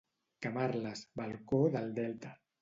Camarles, balcó del Delta.